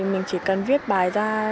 mình chỉ cần viết bài ra